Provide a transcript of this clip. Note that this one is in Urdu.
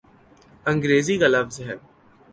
انگریزی کا لفظ ہے۔